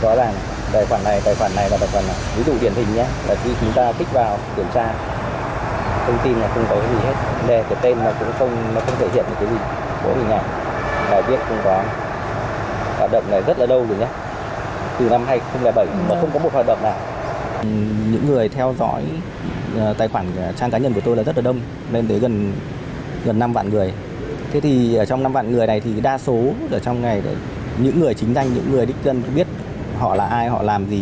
thì đa số trong ngày những người chính danh những người đích dân biết họ là ai họ làm gì